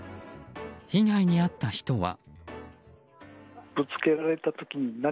被害に遭った人は。